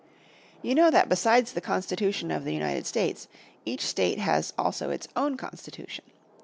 You know that besides the Constitution of the United States each state has also its own constitution.